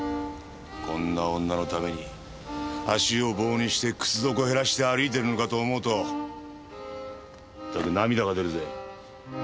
こんな女のために足を棒にして靴底減らして歩いてるのかと思うとまったく涙が出るぜ。